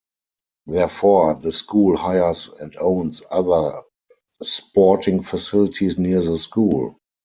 Therefore, the school hires and owns other sporting facilities near the school.